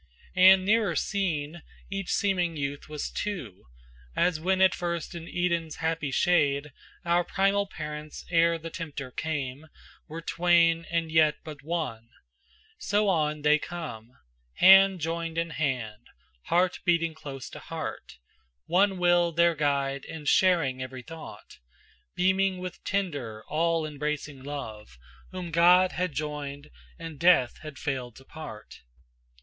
And nearer seen each seeming youth was two, As when at first in Eden's happy shade Our primal parents ere the tempter came Were twain, and yet but one, so on they come, Hand joined in hand, heart beating close to heart, One will their guide and sharing every thought, Beaming with tender, all embracing love, Whom God had joined and death had failed to part.